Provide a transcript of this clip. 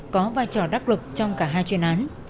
có vai trò đắc lực trong cả hai chuyên án